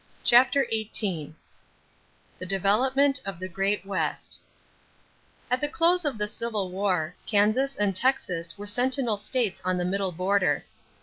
CHAPTER XVIII THE DEVELOPMENT OF THE GREAT WEST At the close of the Civil War, Kansas and Texas were sentinel states on the middle border.